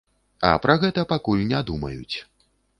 А пра гэта пакуль не думаюць.